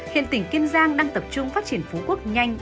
hiện tỉnh kiên giang đang tập trung phát triển phú quốc nhanh